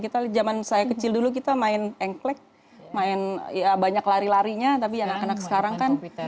kita zaman saya kecil dulu kita main engklek main banyak lari larinya tapi anak anak sekarang kan